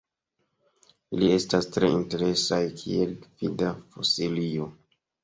Ili estas tre interesaj kiel gvida fosilio.